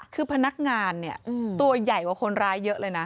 คือพนักงานเนี่ยตัวใหญ่กว่าคนร้ายเยอะเลยนะ